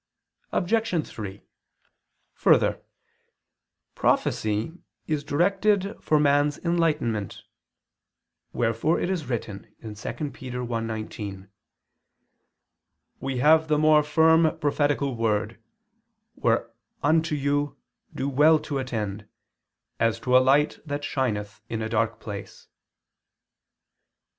Obj. 3: Further, prophecy is directed for man's enlightenment; wherefore it is written (2 Pet. 1:19): "We have the more firm prophetical word, whereunto you do well to attend, as to a light that shineth in a dark place."